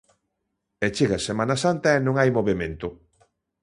E chega a Semana Santa e non hai movemento.